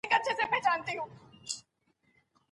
چاغښت او سګرېټ د سرطان لوی عوامل دي.